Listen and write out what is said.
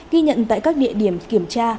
ghi nhận tại các địa điểm kiểm tra